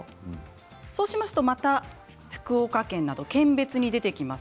そうしますと、また福岡県など県別に出てきます。